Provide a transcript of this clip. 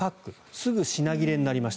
すぐ品切れになりました。